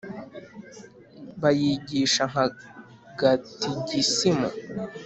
bayigisha nka gatigisimu